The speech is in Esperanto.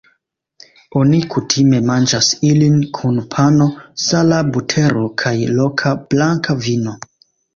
Oni kutime manĝas ilin kun pano, sala butero kaj loka blanka vino.